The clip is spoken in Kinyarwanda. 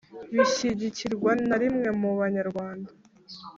bishyigikirwa na rimwe mu banyarwanda.